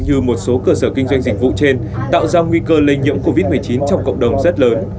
như một số cơ sở kinh doanh dịch vụ trên tạo ra nguy cơ lây nhiễm covid một mươi chín trong cộng đồng rất lớn